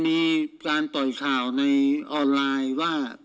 มีการปล่อยข่าวในออนไลน์ว่า